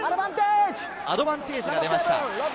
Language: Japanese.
アドバンテージが出ました。